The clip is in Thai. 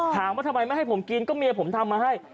ถามว่าทำไมไม่ให้ผมกินก็เมียผมทำมาให้